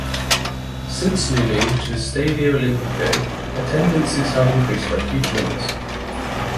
Since moving to the Stadio Olimpico attendances have increased by huge numbers.